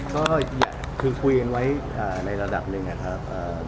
ก็คือคุยกันไว้ในระดับหนึ่งนะครับ